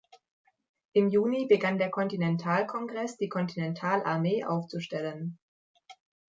Im Juni begann der Kontinentalkongress die Kontinentalarmee aufzustellen.